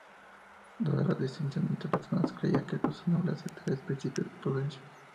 Dada la distinción entre personas, creía que era razonable aceptar ese principio de prudencia.